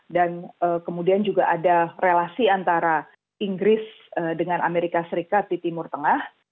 dan kemudian juga ada relasi antara inggris dengan amerika serikat di timur tengah